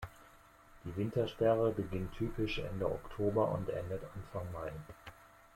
Die Wintersperre beginnt typisch Ende Oktober und endet Anfang Mai.